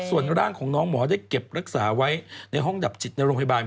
ส่วนร่างของน้องหมอได้เก็บรักษาไว้ในห้องดับจิตในโรงพยาบาล